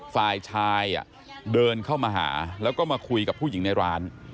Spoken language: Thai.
ฝ่ายชายเดินเข้ามาหาแล้วก็มาคุยกับผู้หญิงในร้าน